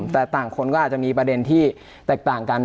แต่ต่างคนก็อาจจะมีประเด็นที่แตกต่างกัน